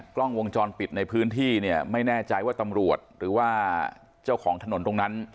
กล้องวงจรปิดในพื้นที่เนี่ยไม่แน่ใจว่าตำรวจหรือว่าเจ้าของถนนตรงนั้น